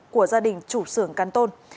của gia đình chủ xưởng cán tôn